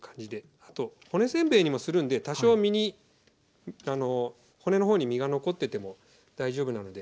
あと骨せんべいにもするんで多少身に骨の方に身が残ってても大丈夫なので。